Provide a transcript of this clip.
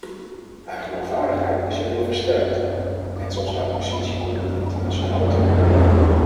Haar geloofwaardigheid is erdoor versterkt, net zoals haar positie op het internationale toneel.